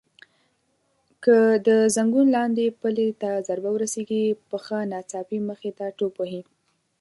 که د زنګون لاندې پلې ته ضربه ورسېږي پښه ناڅاپي مخې ته ټوپ وهي.